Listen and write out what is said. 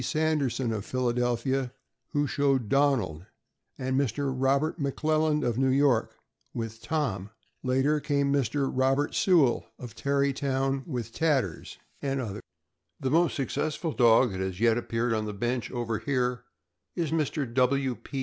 Sanderson, of Philadelphia, who showed Donald, and Mr. Robert McLelland, of New York, with Tom. Later, came Mr. Robert Sewell, of Tarrytown, with Tatters and others. 484 THE AMERICAN BOOK OF THE DOG. The most successful dog that has yet appeared on the bench, over here, is Mr. W. P.